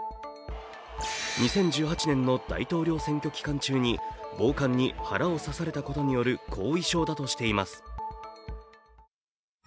２０１８年の大統領選挙期間中に暴漢に腹を刺されたことによる後遺症だとしています。